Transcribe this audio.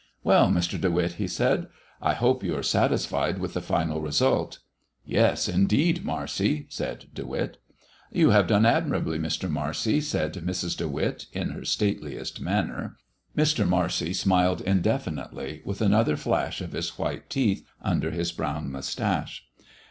"Well, Mr. De Witt," he said, "I hope you are satisfied with the final result." "Yes, indeed, Marcy," said De Witt. "You have done admirably, Mr. Marcy," said Mrs. De Witt, in her stateliest manner. Mr. Marcy smiled indefinitely, with another flash of his white teeth under his brown mustache.